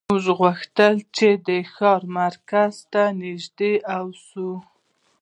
موږ غوښتل چې د ښار مرکز ته نږدې اوسو